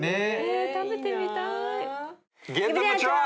食べてみたい。